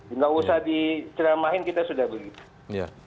enggak usah dicerah mini kita sudah begitu